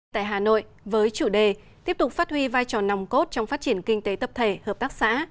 tại hà nội với chủ đề tiếp tục phát huy vai trò nòng cốt trong phát triển kinh tế tập thể hợp tác xã